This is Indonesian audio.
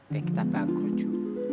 deh kita banggul jo